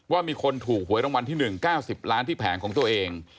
ว่ามีคนถูกหวยรางวัลที่๑๙๐ล้านที่แผงของตัวเอง